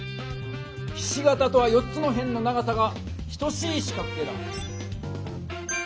ひし形とは４つの辺の長さが等しい四角形だ。